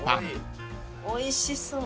おいしそう。